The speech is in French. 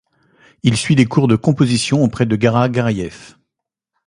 Il suit des cours de composition auprès de Gara Garayev.